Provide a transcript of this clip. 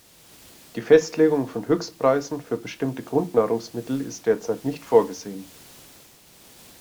Die Festlegung von Höchstpreisen für bestimmte Grundnahrungsmittel ist derzeit nicht vorgesehen.